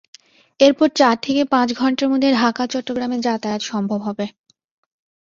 এরপর চার থেকে পাঁচ ঘণ্টার মধ্যে ঢাকা চট্টগ্রামে যাতায়াত সম্ভব হবে।